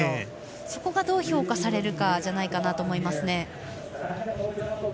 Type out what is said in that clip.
そこがどう評価されるかじゃないかと思います。